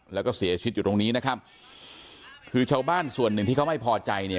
แล้วก็เสียชีวิตอยู่ตรงนี้นะครับคือชาวบ้านส่วนหนึ่งที่เขาไม่พอใจเนี่ย